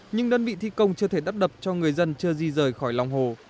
nhưng đơn vị thi công chưa thể đắp đập cho người dân chưa di rời khỏi lòng hồ